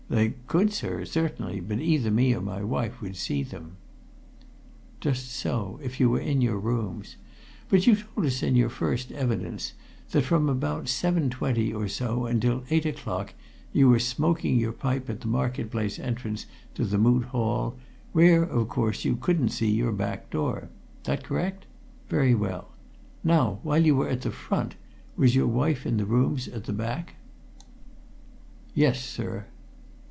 "They could, sir, certainly; but either me or my wife would see them." "Just so, if you were in your rooms. But you told us in your first evidence that from about 7.20 or so until eight o'clock you were smoking your pipe at the market place entrance to the Moot Hall, where, of course, you couldn't see your back door. That correct? Very well. Now, while you were at the front, was your wife in your rooms at the back?" "Yes, sir."